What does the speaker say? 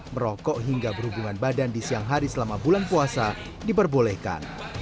merokok hingga berhubungan badan di siang hari selama bulan puasa diperbolehkan